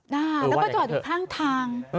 ด่าแล้วก็จอดอยู่ข้างทาง